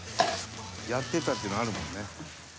「やってたっていうのあるもんね」